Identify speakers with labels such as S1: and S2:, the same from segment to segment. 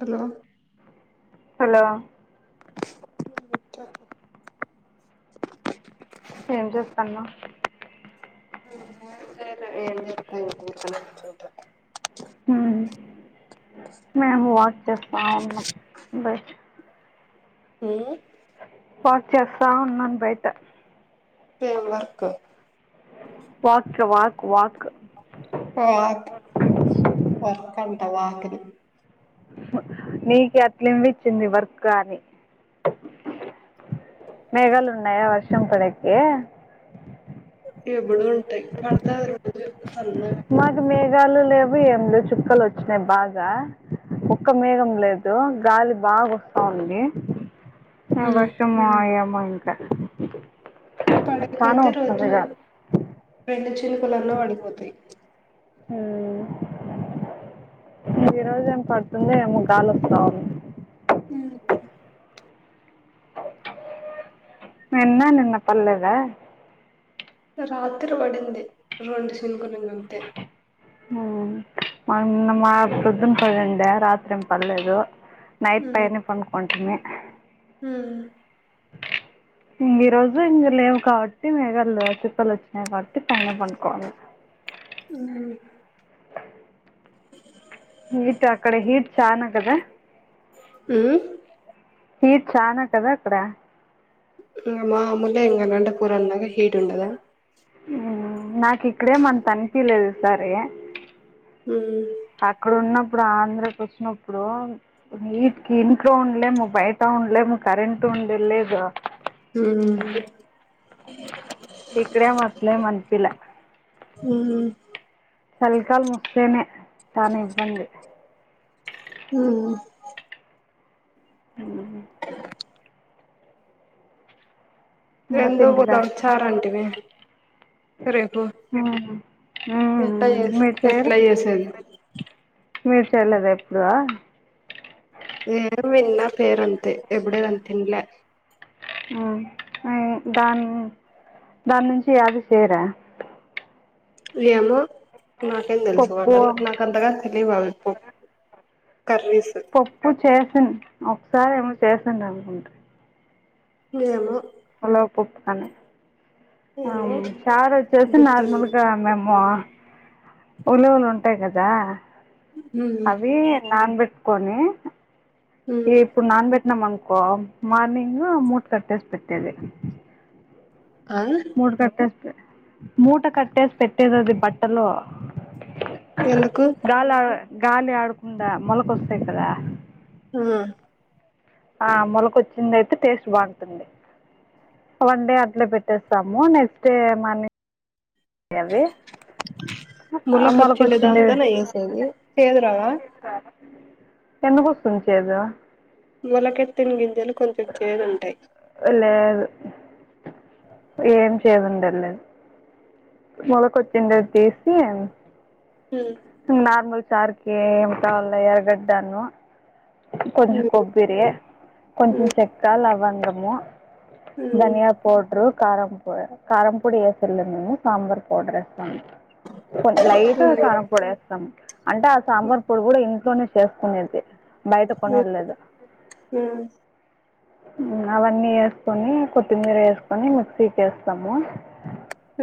S1: Hello
S2: hello
S1: [inaudible]
S2: ఏం చేస్తానవ్
S1: ఏం లేదు ఏం చేత్తా కూర్చున ఓ చోట
S2: హ్మ్ మేమ్ వాక్ చెస్తా ఉన్నాం బయట వాక్ చేస్తా ఉన్నాం బయట
S1: ఏం work
S2: walk walk walk
S1: walk వర్కంట వాక్ ని
S2: నీకట్లినిపిచ్చింది వర్క్ అని మెఘాలు ఉన్నాయా వర్షం పడేకి
S1: ఎపుడు ఉంటాయ్ పడతా
S2: మాకు మేఘాలు లేవు ఏం లేవ్ చుక్కలు వచ్చినాయి బాగా ఒక్క మేఘం లేదు గాలి బాగా వస్తావుంది
S1: హ్మ్
S2: వర్షము అయామంకా
S1: పడకనైతే రోజు రెండు చినుకులు అట్ల పడిపోతాయ్
S2: హ్మ్ ఈ రోజు ఏం పడుతుందో ఏమో గాలొస్తావుంది నిన్నా నిన్న పడలేదా
S1: రాత్రి పడింది రెండు చినుకులు ఇంగంతే
S2: మాది నిన్న మా ప్రొద్దున్న పడింది రాత్రి ఏం పడలేదు నైట్ పైనే పనుకుంటిని
S1: హ్మ్
S2: ఇంగ ఈ రోజు ఇంగ లేవు కాబట్టి మేఘాలు కుపలు వచ్చినయ్ న పటి పైన్న పనుకోవాల హీట్ అక్కడ హీట్ చాన కదా
S1: హ్మ్
S2: హీట్ చానా కదా అక్కడ
S1: మాములే ఇంగ నాంట పూరన్నాక హీట్ ఉండదా
S2: నాకు ఇక్కడే ఏం అంతా అనిపిలేదు సరే
S1: ఉ
S2: అక్కడ ఉన్నప్పుడు ఆంధ్రకి వచ్చినప్పుడు వీటికి ఇంట్లో ఉండలేము బయట ఉండలేము కరెంట్ ఉండే లేదు
S1: హ్మ్
S2: ఇక్కడ మట్లే మన్పీలా
S1: మ్మ్
S2: చలికాలం వస్తేనే చాలా ఇబ్బంది
S1: ఆ
S2: ఆ
S1: రెందో కూద వచ్చారంటివి
S2: ఉం
S1: ఎట్ట ఎట్లా చేసేది
S2: మీరు చేయలేదా ఎప్పుడు
S1: ఏ విన్న పేరు అంతే ఎప్పుడు దాన్ని తిన్లే
S2: ఉమ్ ఉం దాన్ దాని నుంచి అది చేయరా
S1: ఏమో నాకేం తెలుసు
S2: పప్పు
S1: అంట నాక అంతగా తెలియవు అవి ప
S2: పప్పు చేసింది ఒకసారి ఏమో చేసంది అనుకుంట
S1: ఏమో
S2: ఉలవ పప్పుతనే
S1: ఏమో
S2: చారు వచ్చేసి
S1: గుర్తుంది
S2: నార్మలుగా మేము ఉలువులు ఉంటాయి కదా
S1: మ్మ్
S2: అవి నాన్బెట్టుకొని
S1: మ్మ్
S2: ఇప్పుడు నాన్బెట్ నమ్ అన్కో మార్నింగ్ మూట్ కట్టేసి పెట్టేది
S1: ఆ
S2: మూట కట్టేసి మూట కట్టేసి పెట్టేది అది బట్టలో
S1: ఎందుకు
S2: గాలి ఆ గాలి ఆడకుండా మొలకొస్తాయి కదా
S1: ఆ
S2: ఆ మొలకొచ్చింది అయితే టేస్ట్ బాగుంటుంది వన్ డే అట్లే పెట్టేస్తాము నెక్స్ట్డే మని అవి
S1: మొలక వచ్చిన
S2: మొలకొచ్చింది
S1: దాంతోనే ఏసేది చేదు రాదా
S2: ఎందుకోస్తుంది చేదు
S1: మొలకెత్తిన గింజలు కొంచెం చేదు ఉంటాయి
S2: లేదు ఏం చేదు ఉండదు లే మొలకొచ్చిండది తీసి
S1: హ
S2: నార్మల్ సార్కి ఏంటవార్గడ్ను కొంచం
S1: మ్మ్
S2: కొబ్బరి కొంచం
S1: మ్మ్
S2: చెక్కా లావాంగమో
S1: మ్మ్
S2: ధనియా పౌడరు కారం ప కారం పొడి ఏసల్లే మేము సాంబార్ పౌడరు కొ లైట్
S1: మ్మ్
S2: కారం పొడి వేస్తాము అంటే ఆ సాంబార్ పొడి కూడా ఇ ట్లోనేలోనే చేసుకునేది బయట
S1: మ్మ్
S2: కొనదిలేదు
S1: మ్మ్
S2: అవన్నీ వేసుకొని కొత్తిమీర వేసుకొని మిక్సీకి వేస్తాము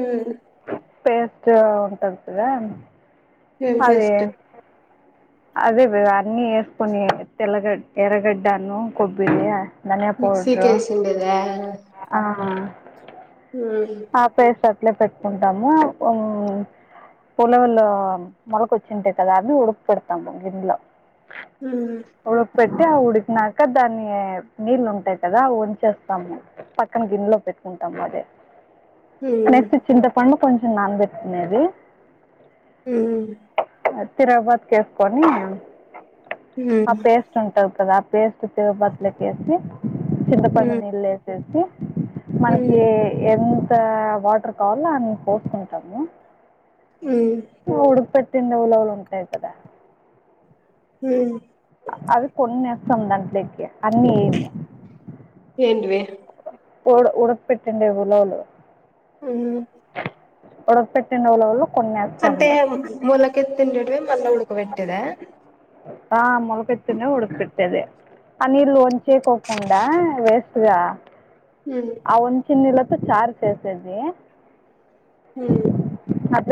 S1: ఉ
S2: పేస్ట్ ఉంటది కదా
S1: ఎం
S2: అది
S1: పేస్ట్
S2: అదే అన్నీ వేసుకొని తెల్లగడ్ ఎర్రగడ్డాను కొబ్బరి ధన్య
S1: మిక్సీకి
S2: పోడ్రు
S1: ఏసిండేదా
S2: ఆ
S1: ఆ
S2: పేస్ట్ అట్లే పెట్టుకుంటాము ఉలవలు మొలకొచ్చింటాయి కదా అవి పెడతా గిన్నెలో
S1: ఉమ్
S2: ఎ పెట్టు ఉడికిన పక్క దాన్ని నీళ్ళు ఉంటాయి కదా వంచేస్తాము పక్కన గిన్నెలో పెట్టుకుంటాము అదే
S1: ఉమ్
S2: నెక్స్ట్ చింతపండు కొంచెం నానబెట్ నది
S1: ఊ
S2: తిరుబతికి వేసుకొని ఆ
S1: ఉమ్
S2: పేస్ట్ ఉంటది కదా పేస్ట్ బదిలకేసి చింతపండు
S1: ఉమ్
S2: నీళ్ళు వేసేసి మనకి
S1: ఉమ్
S2: ఎంత వాటర్ కావాలో అంత పోసుకుంటాము
S1: ఉమ్
S2: ఉడుక పెట్టిన ఉలలు ఉంటాయి కదా
S1: ఉమ్
S2: అవి కొన్నిస్తాం దాంట్లోకి అన్ని ఏయ
S1: ఏంటివి
S2: ఏదో ఉడక పెట్టింది ఉలాలు
S1: ఏంటి
S2: ఉడకపెట్టిన నౌలాల
S1: అంటే మొలకెత్ తిండేడివి మళ్ళా ఉడకబెట్టేద
S2: ఆ మొలకెత్తినే వుడకపెట్టేదే అ నీళ్ళు వంచేకోకుండా వేస్ట్గా
S1: ఊ [unintelligible]
S2: చిన్నలతో చార్ చేసేది
S1: హ్మ్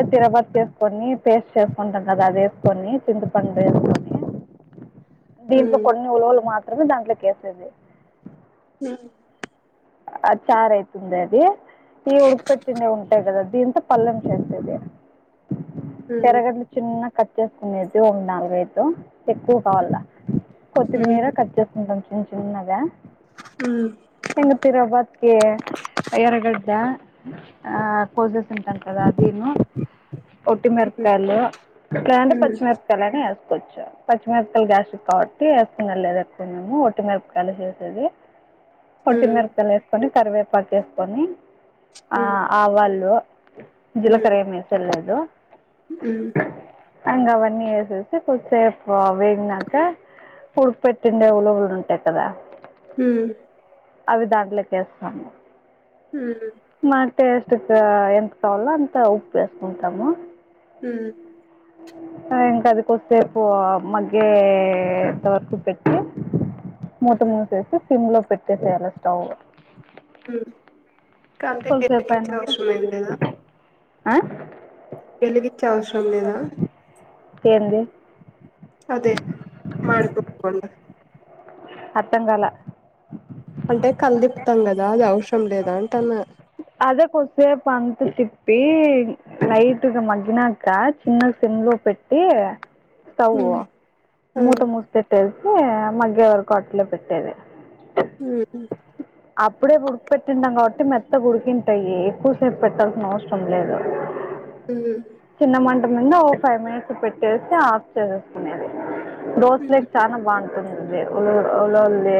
S2: ఇంతవరకు చేేసుకొని పేస్ట్ చేసుకుంటాం కదా అది వేసుకొని చింతపండు వేసుకొని దీంట్లో
S1: ఉమ్
S2: కొన్ని ఉలువలు మాత్రమే దాంట్లోకి వేసేది ఆ చార్ అయితుందా అది ఈ ఉకపెట్టనే ఉంటాయి కదా దీంతో పల్లెం చేస్తది
S1: ఉమ్ ఉమ్
S2: తెరగడ్లు చిన్న కట్ చేసుకునేది ఒక నాలుగైతు ఎక్కువ కావాలా
S1: ఉమ్
S2: కొత్తిమీర కట్ చేసుకుంటాం చిన్న చిన్నగా
S1: హ్మ్
S2: రకే ఎరగడ్డ ఆ కోజస్ అంతకద అదేను ఒట్టి మిరపకాయలు
S1: ఉమ్
S2: కదంటే
S1: ఉమ్ ఉమ్
S2: పచ్చి మిరపకాయలైన ఎస పచ్చ పచ్చిమిరపకాయలు గ్యాస్ట్రిక్ కాబట్టి వేసుకున్నారు లేదు ఎక్కున్నాము ఒట్టి మిరపకాయలు చేసేది
S1: ఊ
S2: సుకొని కరివేపాకు వేసుకొని ఆ
S1: ఉమ్
S2: ఆవాళు జీలకర ఏమి ఎసూద్ లేదు
S1: ఉ
S2: అంగవన్నీ ఏసేసి కొద్దిసేపు వేగినక పుడుపెట్టిందేవాలో గుడ ఉంటాయి కదా
S1: హు
S2: అవి దాంట్లకేస్తాము
S1: హ్మ్
S2: మా టేస్ట్ కు ఎంత కావాలో అంత ఉప్పు వేసుకుంటాము
S1: ఊ
S2: ఇంకా అదికొసేపు మగ్గేవర్కు పెట్టి మూత మూసేసి సిమ్ లో పెట్టేసేయాలి స్టవ్
S1: కాంతకి చెప్పి
S2: కొద్దిసేపు
S1: ఇచ్చుడు
S2: అయినాక
S1: అవసరం లేదు గాదా
S2: ఆ
S1: వెలిగిచ్చే అవసరం లేదా
S2: ఏంది
S1: అదే మకో పన్
S2: అర్థం కాలా
S1: అంటే కలదిపుతాం కదా అది అవసరం లేదా అంట అన్న
S2: అద కొసే తిప్పి లైట్గా మ్నా ఇ చిన్న సిమ్ లో పెట్టి స్వ్
S1: ఆ
S2: మూత మూసి పెట్టే మగ్గ్య వరకు అటలో పెట్టేది
S1: ఉ
S2: అప్పుడే ఉడికి పెట్టిన్నాం కాబట్టి మెత్త ఉడికింటాయి ఎక్కువసేపు పెట్టాల్సిన అవసరం లేదు
S1: ఉ
S2: చిన్న మంట ఓ ఫైవ్ మినిట్స్ పెట్టేసి ఆఫ్ చేసుకునేది దోసిలేక్ చాలా బాగుంటుంది ల ఉంది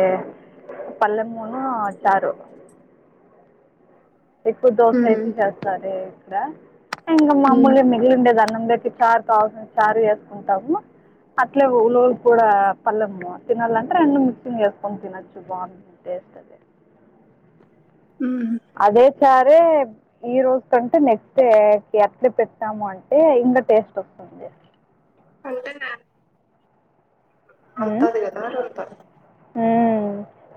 S2: పల్లె మూ ఆ చారు ఎక్కువ దోసలు
S1: ఉమ్
S2: అయితే చేస్తారు ఇక్కడ ఇంకా
S1: ఉమ్
S2: మామూలు మిగిలిండేది అన్నం చార్ కావాలి చార్ వేసుకుంటాము అట్లే ఉలులు కూడా పల్లము తినాలంటే రెండు మిక్సింగ్ వేసుకొని తినొచ్చు బాగుంది టేస్ట్ అ
S1: ఉమ్
S2: అదే సరే ఈ రోజు కంటే నెక్స్ట్ డే అట్లే పెట్టాము అంటే టేస్ట్ వస్తది
S1: అంతేనా వీతది [unintelligible]
S2: అ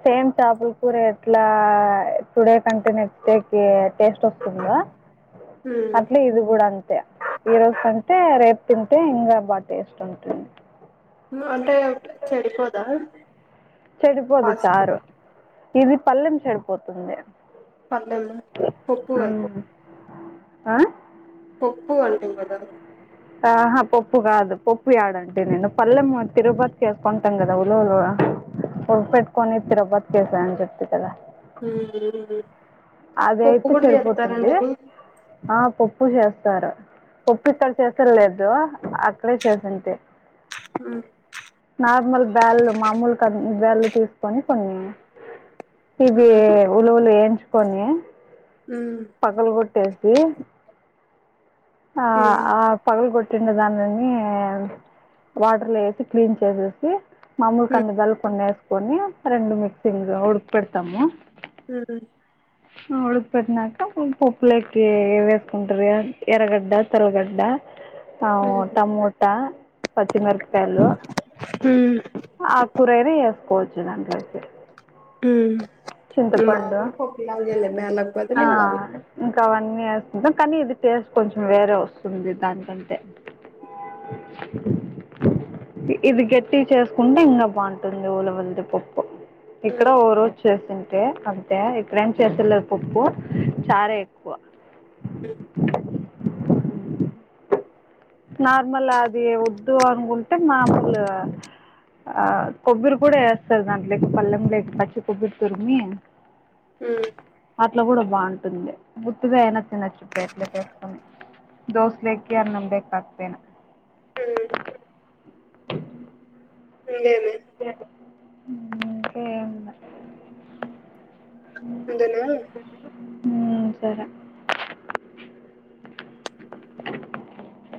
S2: సేమ్ టాపిక్ కూర ఎట్లా టుడే కంటే నెక్స్ట్ డేకి టేస్ట్ వస్తుందా అట్లే
S1: ఉమ్
S2: ఇది కూడా అంతే ఈ రోజు అంటే రేపు తింటే ఇంకా బా టేస్ట్ ఉంటుంది
S1: అంటే చెడిపోదా
S2: చెడిపోదు
S1: పసుపు
S2: చారు ఇది పల్లెం చెడిపోతుంది
S1: పల్లెం పప్పువ
S2: ఉమ్. ఆ
S1: పప్పు వటి కూడాద
S2: ఆహా పప్పు కాదు పప్పు ఎడంటే నేను పల్ెం తిరుపతికి వసుకుంటాం కదా ఉల పెట్టుకొని తిరగబోత చేసిన చేప కథ
S1: హ
S2: అదయితే చెడిపోతుంది ఆ పప్పు చేస్త పప్పు ఇక్కడ చేస లేదు అక్కడే చేసింటే
S1: ఉమ్
S2: నార్మల్ బ్యాల్ మామూలు కందిబ్యాల్ తీసుకొని కొన్ని ఇవి
S1: ఉమ్
S2: ఉలువులు వేయించుకని
S1: ఉ
S2: సి ఆ
S1: ఉమ్
S2: ఆ పగలు కొట్ టిండి దానిన్ని వాటర్లో వేసి క్లీన్ చేసేసి మాముూలు కంది బ్యాళ్లు కొన్ని వేసుకొని రెండు మిక్సీగా ఉడుకు పెెడతాము
S1: ఉ
S2: ఆ ఉడకుపట్నాక పప్పులేకి వేసుకుంట్రి కదా ఎరగడ్డ తలగడ్డ అ
S1: ఉమ్
S2: టమోటా పచ్చిమిరకాయలు
S1: ఉమ్
S2: ఆకురైన వేసుకోవచ్చు దాంట్లోకి
S1: ఊమ్
S2: చింతపండు
S1: మామూలు పప్పులాగే లే మేలాకు
S2: ఆ
S1: బలెం కాదు
S2: ఇంకా అవన్నీ వేస్తుకొంటాం కానీ ఇది టేస్ట్ కొంచెం వేరే వస్తుంది దానికంటే ఇది గట్టిగా చేసుకుంటే ఇంకా బాగుంటుంది ఉలవల్ది పప్పు ఇక్కడ
S1: హ్మ్
S2: ఓ రోజు అంటే అంతే ఇక్కడేం చేస్తలేదు పప్పు చారె ఎక్కువ
S1: ఉమ్
S2: నార్మల్ అది వద్దు అనుకుంటే మామూలు ఆ కొబ్బరి కూడా వేస్తారు దాంట్లోకి పల్లెం లోకి పచ్చి కొబ్బరి తురిమి
S1: ఊమ్
S2: అట్లా కూడా బాగుంటుంది ఉత్తిగా అయినా తినొచ్చు ప్లేట్లోకి వేసుకొని దోస లోకి అన్నం లోకి అట్లయిన
S1: హుమ్ ఇంగేమి
S2: ఇంకేంటి ఊమ్ ఇంకేంలే
S1: అంతేనా [inaudible]
S2: ఊమ్ సరే